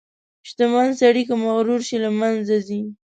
• شتمن سړی که مغرور شي، له منځه ځي.